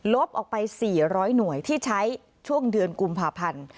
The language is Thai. ออกไป๔๐๐หน่วยที่ใช้ช่วงเดือนกุมภาพันธ์